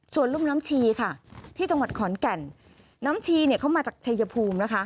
ส่วนรุ่นน้ำชีที่จังหวัดขอนแก่นน้ำชีเข้ามาจากชัยภูมิ